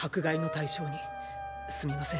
すみません